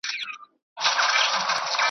قلم پورته کړ